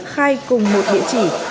khai cùng một địa chỉ để cách ly